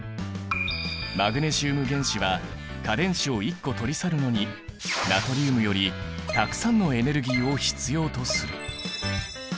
マグネシウム原子は価電子を１個取り去るのにナトリウムよりたくさんのエネルギーを必要とする。